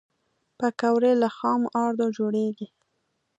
پکورې له خام آردو جوړېږي